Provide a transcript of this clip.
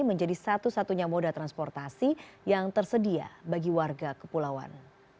menjadi satu satunya moda transportasi yang tersedia bagi warga kepulauan